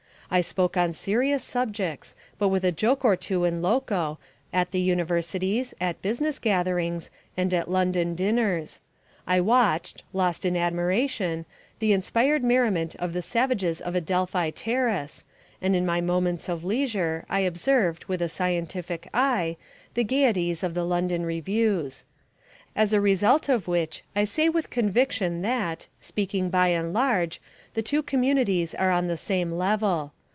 I spoke on serious subjects, but with a joke or two in loco, at the universities, at business gatherings, and at London dinners; I watched, lost in admiration, the inspired merriment of the Savages of Adelphi Terrace, and in my moments of leisure I observed, with a scientific eye, the gaieties of the London revues. As a result of which I say with conviction that, speaking by and large, the two communities are on the same level.